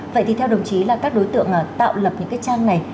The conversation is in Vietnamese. vậy thì theo đồng chí là các đối tượng tạo lập những cái trang này